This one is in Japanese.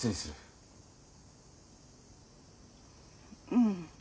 うん。